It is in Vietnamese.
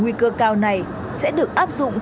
nguy cơ cao này sẽ được áp dụng